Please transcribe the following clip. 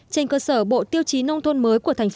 trên cơ sở bộ tiêu chí nông thôn mới của tp hcm